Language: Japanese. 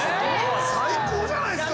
最高じゃないですか！